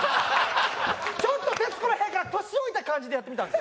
ちょっと『徹子の部屋』やから年老いた感じでやってみた。